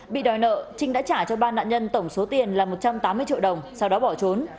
bị đòi nợ trinh đã trả cho ba nạn nhân tổng số tiền là một trăm tám mươi triệu đồng sau đó bỏ trốn